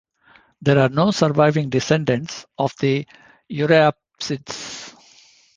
There are no surviving descendants of the euryapsids.